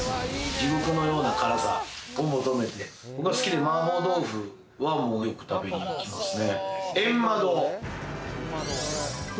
地獄のような辛さを求めて、麻婆豆腐はよく食べに行きますね。